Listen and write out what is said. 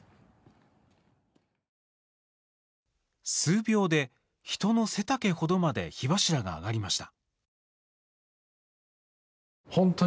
数秒で、人の背丈ほどまで火柱が上がりました。